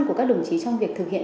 của các đồng chí trong việc thực hiện